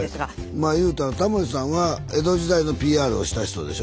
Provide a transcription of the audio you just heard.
まあ言うたらタモリさんは江戸時代のＰＲをした人でしょ。